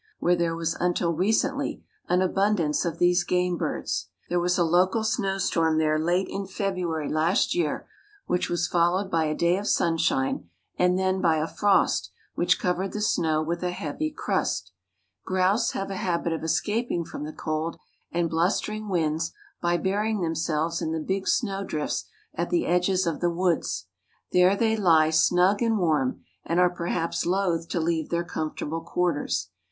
where there was until recently an abundance of these game birds. There was a local snowstorm there late in February last year, which was followed by a day of sunshine and then by a frost which covered the snow with a heavy crust. Grouse have a habit of escaping from the cold and blustering winds by burying themselves in the big snow drifts at the edges of the woods. There they lie snug and warm and are perhaps loath to leave their comfortable quarters.